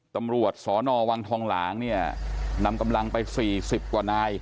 ตำรวจสนวังทองหลางเนี่ยนำกำลังไป๔๐กว่านาย